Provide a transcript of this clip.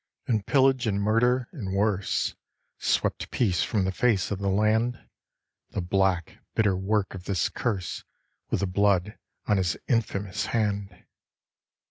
And pillage and murder, and worse, swept peace from the face of the land The black, bitter work of this curse with the blood on his infamous hand.